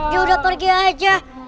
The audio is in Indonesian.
sudah pergi aja